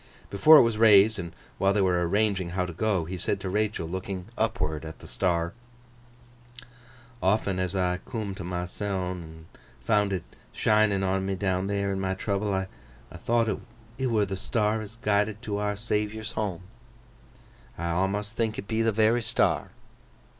Before it was raised, and while they were arranging how to go, he said to Rachael, looking upward at the star: 'Often as I coom to myseln, and found it shinin' on me down there in my trouble, I thowt it were the star as guided to Our Saviour's home. I awmust think it be the very star!